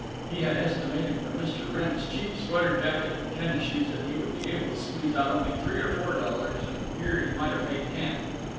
He had estimated from Mr. Wrenn's cheap sweater jacket and tennis shoes that he would be able to squeeze out only three or four dollars, and here he might have made ten.